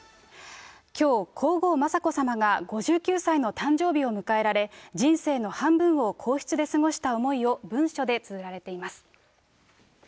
きょう、皇后雅子さまが５９歳の誕生日を迎えられ、人生の半分を皇室で過ごした思いを文書でつづられています。